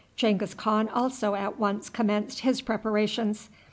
Genghis Khan also at once commenced his preparations.